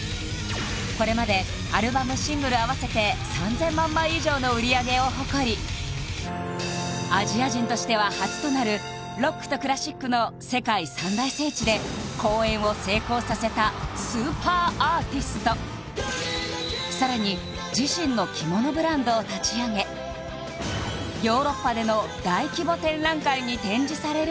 これまでアルバムシングル合わせて３０００万枚以上の売り上げを誇りアジア人としては初となるロックとクラシックの世界三大聖地で公演を成功させたスーパーアーティストさらに自身の着物ブランドを立ち上げされるなど